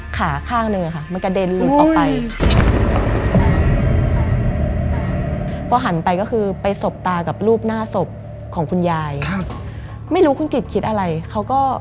ก็พอหันไปก็คือไปสบตากับรูปหน้าศพของคุณยายไม่รู้คุณเกียรติคิดอะไรเขาก็